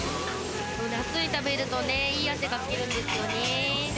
夏に食べるとね、いい汗かけるんですよね。